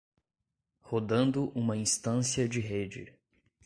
Rodando uma instância de rede